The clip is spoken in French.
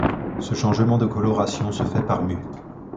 Ce changement de coloration se fait par mue.